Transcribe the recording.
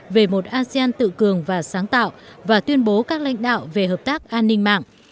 về một asean tự cường và sáng tạo và tuyên bố các lãnh đạo về hợp tác an ninh mạng